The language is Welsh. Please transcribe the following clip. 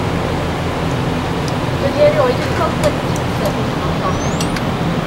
Doedd hi erioed wedi gweld plentyn yn sefyll mor llonydd.